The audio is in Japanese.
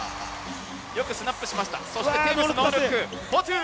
よくスナップしました。